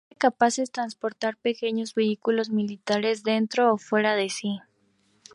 Son capaces de transportar pequeños vehículos militares dentro o fuera de sí.